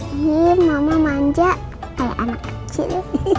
ingin mama manja kayak anak kecil